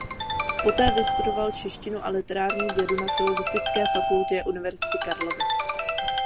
Poté vystudoval češtinu a literární vědu na Filozofické fakultě Univerzity Karlovy.